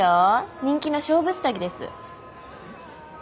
人気の勝負下着です。